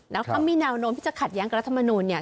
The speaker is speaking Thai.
แล้วเขามีแนวโน้มที่จะขัดแย้งกับรัฐมนูลเนี่ย